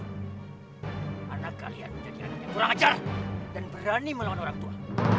karena kalian menjadi anak yang kurang ajar dan berani melawan orang tua